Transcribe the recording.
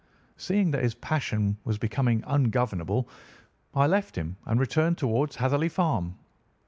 Seeing that his passion was becoming ungovernable, I left him and returned towards Hatherley Farm.